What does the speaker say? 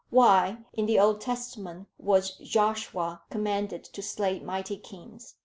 Why in the Old Testament was Joshua commanded to slay mighty kings?